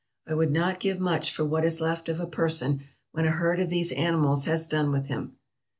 I would not give much for what is left of a person when a herd of these animals has done with him.